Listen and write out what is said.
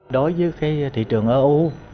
đối với thị trường eu